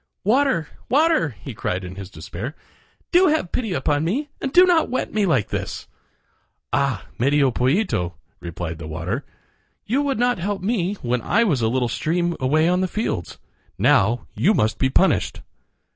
"Water! water!" he cried in his despair, "do have pity upon me and do not wet me like this." "Ah! Medio Pollito," replied the water, "you would not help me when I was a little stream away on the fields. Now you must be punished."